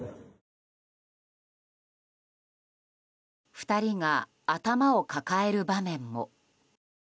２人が頭を抱える場面も。